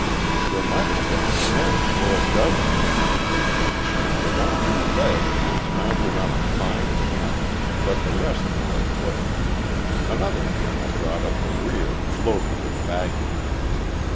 There might have been ten or a dozen men. The one who led was mounted on a fine camel, but the rest were afoot. Another camel brought up the rear, loaded with baggage.